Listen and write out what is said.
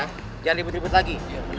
jangan ribut ribut lagi